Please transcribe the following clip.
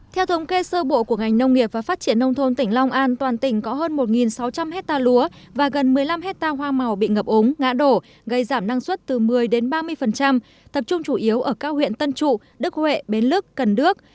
theo thống kê sơ bộ của ngành nông nghiệp và phát triển nông thôn tỉnh long an toàn tỉnh có hơn một sáu trăm linh hectare lúa và gần một mươi năm hectare hoa màu bị ngập ống ngã đổ gây giảm năng suất từ một mươi đến ba mươi tập trung chủ yếu ở các huyện tân trụ đức huệ bến lức cần đước